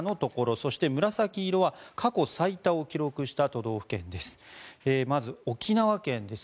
そして、紫色は過去最多を記録した都道府県です。